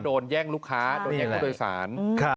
โดนใหญ่ของโดยศาล